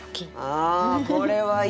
ああこれはいい。